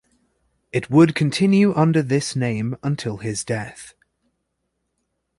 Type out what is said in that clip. It would continue under this name until his death.